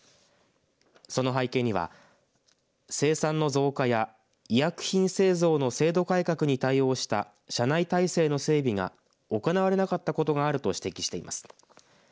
その背景には生産の増加や医薬品製造の制度改革に対応した社内体制の整備が行われなかったことがあると指摘しています。